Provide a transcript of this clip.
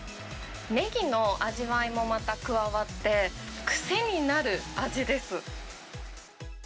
ネギの味わいもまた加わって、癖になる味です。